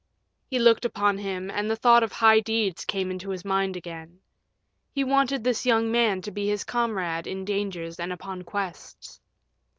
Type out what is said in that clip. He looked upon him, and the thought of high deeds came into his mind again. He wanted this young man to be his comrade in dangers and upon quests.